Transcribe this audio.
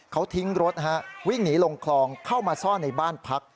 เขาทิ้งรถวิ่งหนีลงคลองเข้ามาซ่อนในบ้านพัก